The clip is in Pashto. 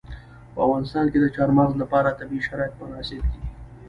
په افغانستان کې د چار مغز لپاره طبیعي شرایط مناسب دي.